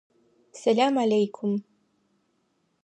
Сэлам аллейкум!